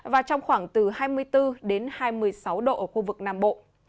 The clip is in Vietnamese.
và trong khoảng từ hai mươi bốn đến hai mươi sáu độ ở khu vực nam bộ